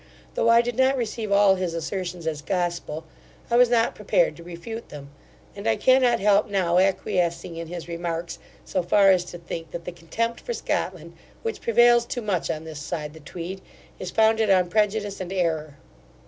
Though I did not receive all his assertions as gospel, I was not prepared to refute them; and I cannot help now acquiescing in his remarks so far as to think, that the contempt for Scotland, which prevails too much on this side the Tweed, is founded on prejudice and error.